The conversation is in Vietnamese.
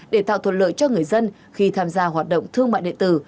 để tạo thuật lợi cho người dân khi tham gia hoạt động thương mại địa tử